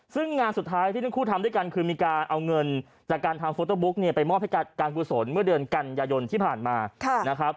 ซึ่งงานสุดท้ายที่ทั้งคู่ทำด้วยกันคือมีการเอาเงินจากการทำโฟโต้บุ๊กเนี่ยไปมอบให้การกุศลเมื่อเดือนกันยายนที่ผ่านมานะครับ